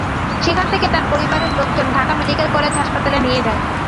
সেখান থেকে তাঁর পরিবারের লোকজন ঢাকা মেডিকেল কলেজ হাসপাতালে নিয়ে যায়।